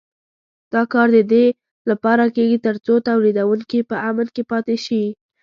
دا کار د دې لپاره کېږي تر څو تولیدوونکي په امن کې پاتې شي.